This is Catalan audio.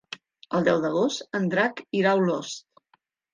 El deu d'agost en Drac irà a Olost.